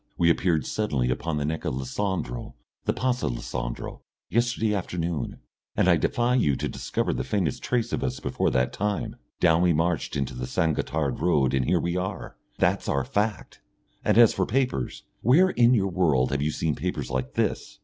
We appeared suddenly upon the neck of Lucendro the Passo Lucendro yesterday afternoon, and I defy you to discover the faintest trace of us before that time. Down we marched into the San Gotthard road and here we are! That's our fact. And as for papers ! Where in your world have you seen papers like this?"